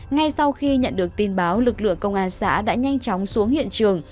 ngay sau khi nhận được tin báo lực lượng công an xã đã nhanh chóng xuống hiện trường